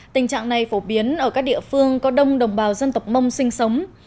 tình trạng này phổ biến ở các địa phương có đông đồng bào dân tộc mông sinh sống